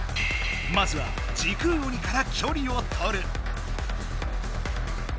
まずは時空鬼から距離を取る。